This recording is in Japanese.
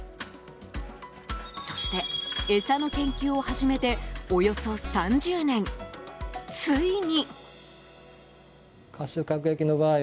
そして、餌の研究を始めておよそ３０年、ついに。